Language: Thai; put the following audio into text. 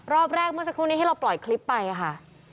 รอบแรกเมื่อสักครู่นี้ที่เราปล่อยคลิปไปค่ะ